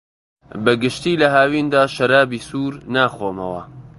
بەگشتی لە هاویندا شەرابی سوور ناخۆمەوە.